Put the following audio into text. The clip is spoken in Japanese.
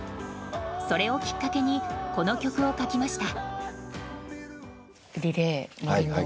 それをきっかけにこの曲を書きました。